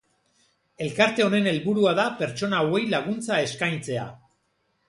Elkarte honen helburua da pertsona hauei laguntza eskaintzea.